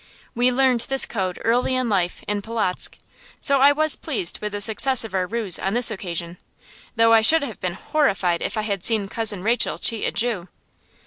We learned this code early in life, in Polotzk; so I was pleased with the success of our ruse on this occasion, though I should have been horrified if I had seen Cousin Rachel cheat a Jew.